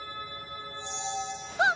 あっ！